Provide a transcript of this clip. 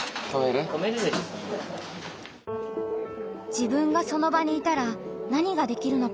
自分がその場にいたら何ができるのか。